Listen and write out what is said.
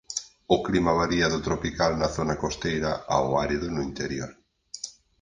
O clima varia do tropical na zona costeira ao árido no interior.